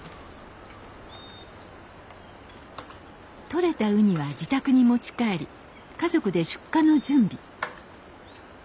採れたウニは自宅に持ち帰り家族で出荷の準備。